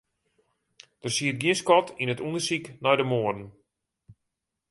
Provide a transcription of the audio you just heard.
Der siet gjin skot yn it ûndersyk nei de moarden.